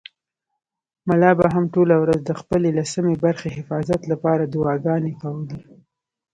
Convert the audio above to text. ملا به هم ټوله ورځ د خپلې لسمې برخې حفاظت لپاره دعاګانې کولې.